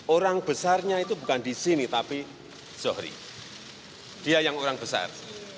orang besarnya itu bukan di sini tapi zohri dia yang orang besar